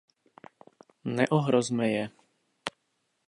Neohrozme je!